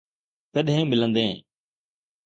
ڪڏھن ملندين؟